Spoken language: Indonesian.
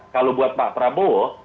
kalau buat pak prabowo